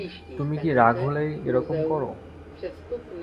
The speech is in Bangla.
তুমি কি রাগ হলেই এ রকম কর?